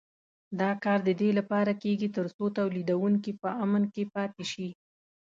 دا کار د دې لپاره کېږي تر څو تولیدوونکي په امن کې پاتې شي.